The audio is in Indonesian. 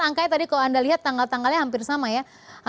angkanya tadi kalau anda lihat tanggal tanggalnya hampir sama ya